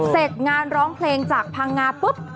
เสร็จงานร้องเพลงจากพังงาปุ๊บ